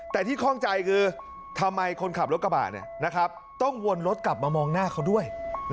แต่ที่ข้องใจคือทำไมคนขับรถกระบะต้องวนรถกลับมามองหน้าเขาด้วย